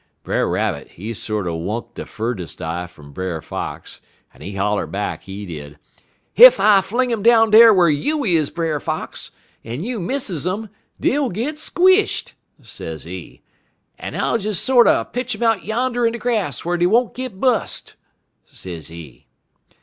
"Brer Rabbit, he sorter wunk de furdest eye fum Brer Fox, en he holler back, he did: "'Ef I fling um down dar whar you is, Brer Fox, en you misses um, dey'll git squshed,' sezee, 'so I'll des sorter pitch um out yander in de grass whar dey won't git bus',' sezee.